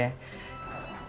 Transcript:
iya bella sebenernya